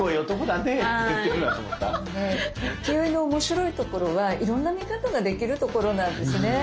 浮世絵の面白いところはいろんな見方ができるところなんですね。